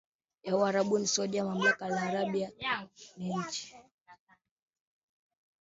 wa Uarabuni wa Saudia mamlaka alarabiyya assaaudiyya ni nchi